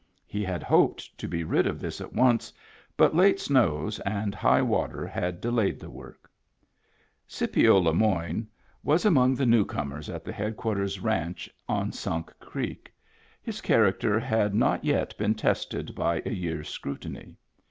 He had hoped to be rid of this "it once, but late snows and high water had delayed the work. Scipio Le Moyne was among the newcomers Digitized by Google j2 MEMBERS OF THE FAMILY at the headquarters ranch on Sunk Creek. His character had not yet been tested by a year's scrutiny.